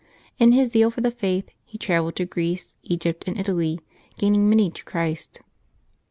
In his zeal for the Faith he travelled to Greece, Egypt, and Italy, gaining many to Christ.